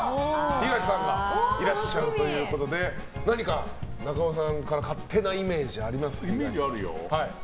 東さんがいらっしゃるということで何か中尾さんから勝手なイメージありますか？